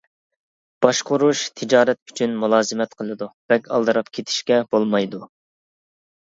باشقۇرۇش تىجارەت ئۈچۈن مۇلازىمەت قىلىدۇ، بەك ئالدىراپ كېتىشكە بولمايدۇ.